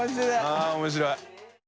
あぁ面白い。